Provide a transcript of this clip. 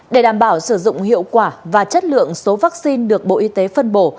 để đảm bảo sử dụng hiệu quả và chất lượng số vaccine được bộ y tế phân bổ